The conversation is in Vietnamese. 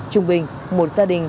trung bình một gia đình